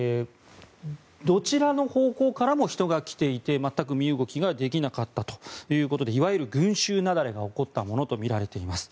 どちらの方向からも人が来ていて全く身動きができなかったということでいわゆる群衆雪崩が起こったものとみられています。